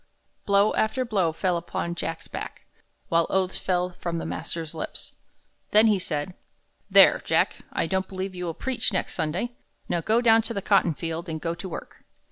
Blow after blow fell upon Jack's back, while oaths fell from the master's lips. Then he said: "There, Jack, I don't believe you will preach next Sunday. Now go down to the cottonfield and go to work."